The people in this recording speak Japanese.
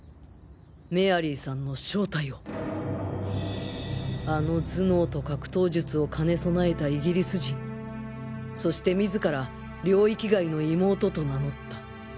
メアリーさんの正体をあの頭脳と格闘術を兼ね備えたイギリス人そして自ら「領域外の妹」と名乗った